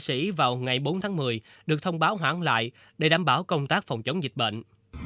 sĩ vào ngày bốn tháng một mươi được thông báo hoãn lại để đảm bảo công tác phòng chống dịch bệnh